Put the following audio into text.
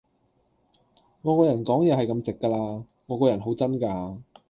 我個人講嘢係咁直㗎喇，我個人好真㗎